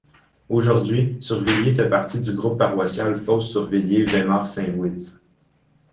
Aujourd'hui, Survilliers fait partie du groupement paroissial Fosses - Survilliers - Vémars - Saint-Witz.